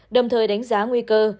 đồng thời đánh giá nguy cơ